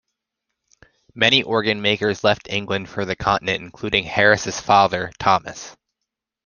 Many organ makers left England for the continent, including Harris' father, Thomas.